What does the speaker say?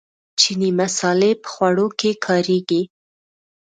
چیني مسالې په خوړو کې کاریږي.